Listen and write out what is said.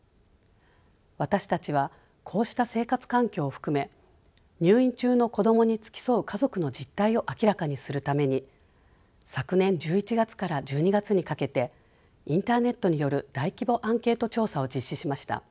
私たちはこうした生活環境を含め入院中の子どもに付き添う家族の実態を明らかにするために昨年１１月から１２月にかけてインターネットによる大規模アンケート調査を実施しました。